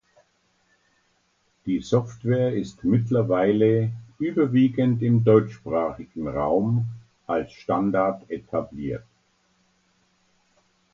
Die Software ist mittlerweile überwiegend im deutschsprachigen Raum als Standard etabliert.